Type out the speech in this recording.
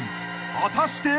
［果たして］